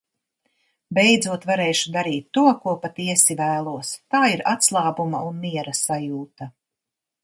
Beidzot varēšu darīt to, ko patiesi vēlos. Tā ir atslābuma un miera sajūta.